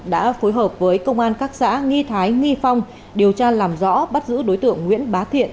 đã phối hợp với công an các xã nghi thái nghi phong điều tra làm rõ bắt giữ đối tượng nguyễn bá thiện